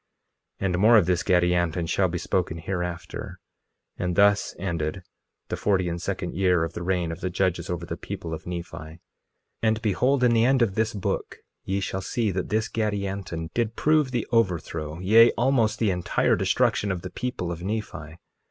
2:12 And more of this Gadianton shall be spoken hereafter. And thus ended the forty and second year of the reign of the judges over the people of Nephi. 2:13 And behold, in the end of this book ye shall see that this Gadianton did prove the overthrow, yea, almost the entire destruction of the people of Nephi.